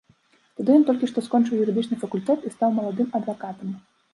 Тады ён толькі што скончыў юрыдычны факультэт і стаў маладым адвакатам.